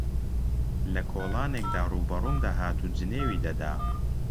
لە کۆڵانێکدا ڕووبەڕووم دەهات و جنێوی دەدا